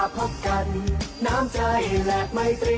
ขอฟังหน่อย